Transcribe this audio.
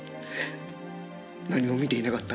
「何も見ていなかった。